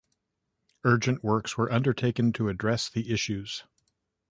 Urgent works were undertaken to address the issues.